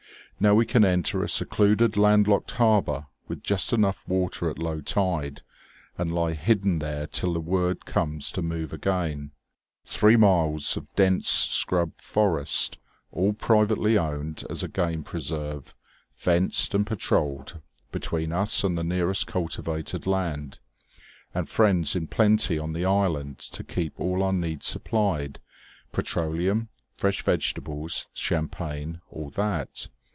Now we can enter a secluded, landlocked harbour with just enough water at low tide, and lie hidden there till the word comes to move again three miles of dense scrub forest, all privately owned as a game preserve, fenced and patrolled, between us and the nearest cultivated land and friends in plenty on the island to keep all our needs supplied petroleum, fresh vegetables, champagne, all that.